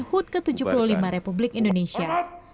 hud ke tujuh puluh lima republik indonesia